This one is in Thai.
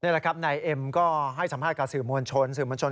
นี่แหละครับนายเอ็มก็ให้สัมภาษณ์กับสื่อมวลชน